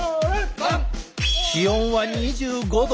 ３！気温は２５℃。